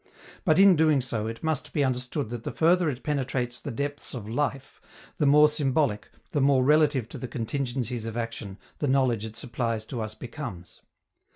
But, in doing so, it must be understood that the further it penetrates the depths of life, the more symbolic, the more relative to the contingencies of action, the knowledge it supplies to us becomes.